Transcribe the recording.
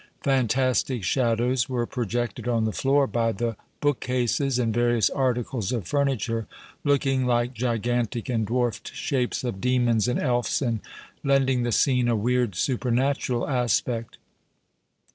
Fantastic shadows were projected on the floor by the book cases and various articles of furniture, looking like gigantic and dwarfed shapes of demons and elfs and lending the scene a weird, supernatural aspect.